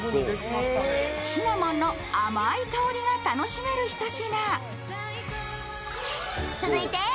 シナモンの甘い香りが楽しめる一品。